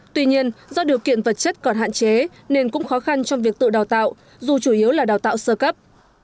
tuy nhiên do điều kiện vật chất còn hạn chế nên cũng khó khăn trong việc tự đào tạo dù chủ yếu là đào tạo sơ cấp